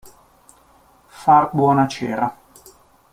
Far buona cera.